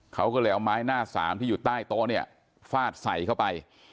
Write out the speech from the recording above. เขาก็เลยเอาไม้หน้าสามที่อยู่ใต้โต๊ะเนี่ยฟาดใส่เข้าไป